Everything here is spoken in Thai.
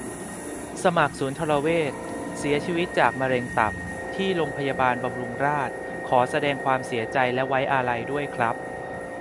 สมัคร สุนทรเวช เสียชีวิตจากมะเร็งตับ ที่รพ.บำรุงราษฎร์ ขอแสดงความเสียใจและไว้อาลัยด้วยครับ